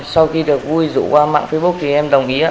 sau khi được vui rủ qua mạng facebook thì em đồng nghĩa